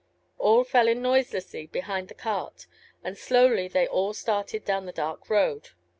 All fell in noiselessly behind the cart, and slowly they all started down the dark road.